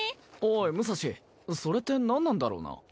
おい武蔵それって何なんだろうな？